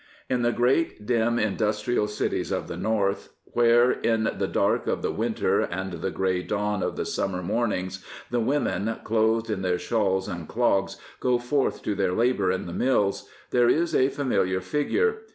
In the great, dim, industrial cities of the North, where, in the dark of the winter and the grey dawn of the summer mornings the women, clothed in their shawls and clogs, go forth to their labour in the miUs, there is a familiar figure.